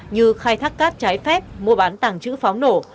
như khai thác cát trái phép mua bán tàng trữ pháo nổ